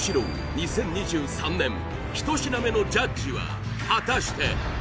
２０２３年１品目のジャッジは果たして？